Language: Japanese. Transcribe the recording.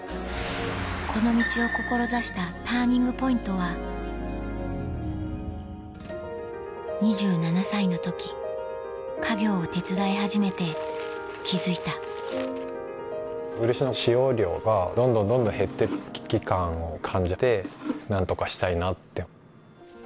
この道を志したＴＵＲＮＩＮＧＰＯＩＮＴは２７歳の時家業を手伝い始めて気付いた漆の使用量がどんどんどんどん減って危機感を感じて何とかしたいなって。